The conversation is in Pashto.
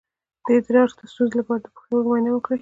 د ادرار د ستونزې لپاره د پښتورګو معاینه وکړئ